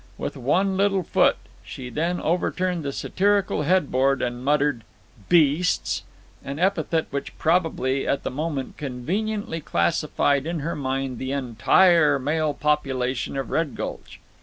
With one little foot she then overturned the satirical headboard, and muttered "Beasts!" an epithet which probably, at that moment, conveniently classified in her mind the entire male population of Red Gulch.